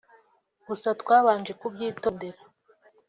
gusa twabanje kubyitondera